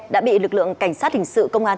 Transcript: đã bị lực lượng cảnh sát hình sự công an